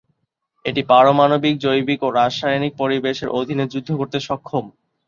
এটি পারমাণবিক, জৈবিক ও রাসায়নিক পরিবেশের অধীনে যুদ্ধ করতে সক্ষম।